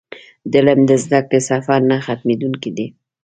د علم د زده کړې سفر نه ختمېدونکی دی.